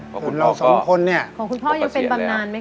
ของคุณพ่อยังเป็นบางนานมั้ยคะ